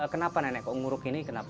kenapa nenek kok nguruk ini kenapa